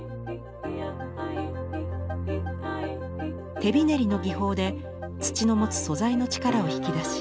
手びねりの技法で土の持つ素材の力を引き出し